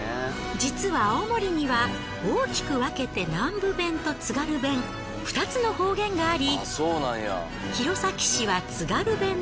実は青森には大きく分けて南部弁と津軽弁２つの方言があり。